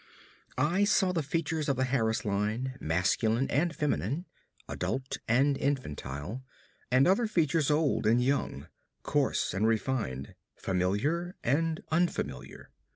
I saw the features of the Harris line, masculine and feminine, adult and infantile, and other features old and young, coarse and refined, familiar and unfamiliar.